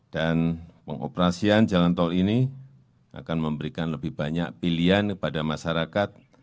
dan pengoperasian jalan tol ini akan memberikan lebih banyak pilihan kepada masyarakat